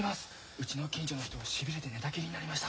うちの近所の人しびれて寝たきりになりました。